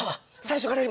最初から。